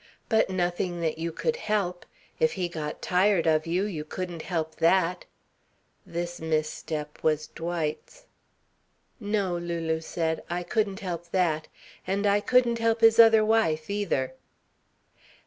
"But nothing that you could help. If he got tired of you, you couldn't help that." This misstep was Dwight's. "No," Lulu said, "I couldn't help that. And I couldn't help his other wife, either."